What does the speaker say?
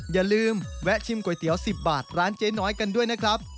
อย่าลืมแวะชิมก๋วยเตี๋ยว๑๐บาทร้านเจ๊น้อยกันด้วยนะครับ